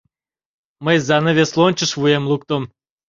Мый занавес лончыш вуем луктым.